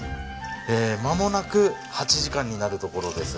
ええまもなく８時間になるところです。